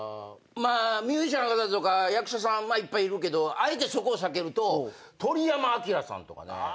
ミュージシャンの方とか役者さんいっぱいいるけどあえてそこを避けると鳥山明さんとかね。